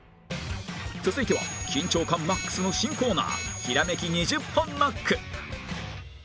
続いては緊張感マックスの新コーナーひらめき２０本ノック